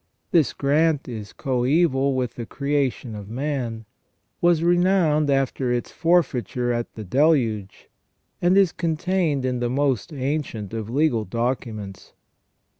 This grant is coeval with the creation of man, was renewed after its forfeiture at the Deluge, and is contained in the most ancient of legal documents.